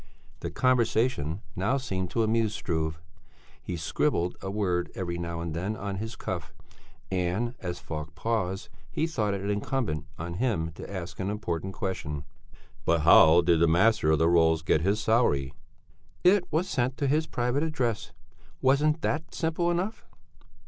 '" The conversation now seemed to amuse Struve; he scribbled a word every now and then on his cuff, and as Falk paused he thought it incumbent on him to ask an important question. "But how did the Master of the Rolls get his salary?" "It was sent to his private address. Wasn't that simple enough?